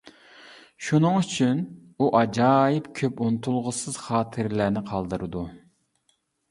شۇنىڭ ئۈچۈن، ئۇ ئاجايىپ كۆپ ئۇنتۇلغۇسىز خاتىرىلەرنى قالدۇرىدۇ.